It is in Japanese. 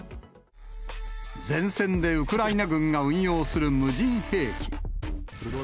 前線でウクライナ軍が運用する無人兵器。